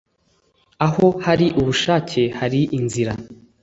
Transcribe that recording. aho hari ubushake hari inzira